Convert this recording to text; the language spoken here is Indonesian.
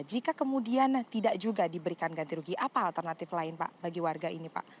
jika kemudian tidak juga diberikan ganti rugi apa alternatif lain pak bagi warga ini pak